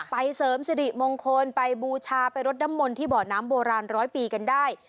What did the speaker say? เสริมสิริมงคลไปบูชาไปรดน้ำมนต์ที่บ่อน้ำโบราณร้อยปีกันได้